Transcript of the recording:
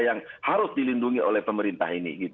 yang harus dilindungi oleh pemerintah ini